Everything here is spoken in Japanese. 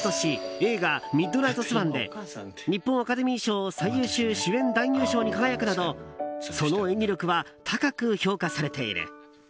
映画「ミッドナイトスワン」で日本アカデミー賞最優秀主演男優賞に輝くなどその演技力は高く評価されている。